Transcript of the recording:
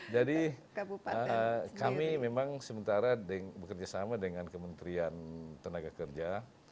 jadi kami memang sementara bekerja sama dengan kementerian tenaga kerja